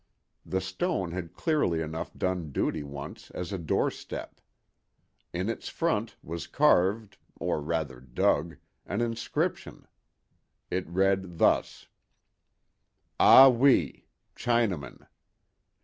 The stone had clearly enough done duty once as a doorstep. In its front was carved, or rather dug, an inscription. It read thus: AH WEE—CHINAMAN.